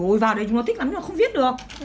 ồi vào đây chúng nó thích lắm nhưng mà không viết được